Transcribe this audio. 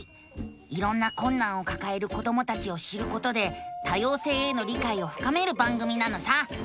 いろんなこんなんをかかえる子どもたちを知ることで多様性への理解をふかめる番組なのさ！